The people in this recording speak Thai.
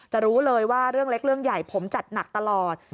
รู้เลยว่าเรื่องเล็กเรื่องใหญ่ผมจัดหนักตลอด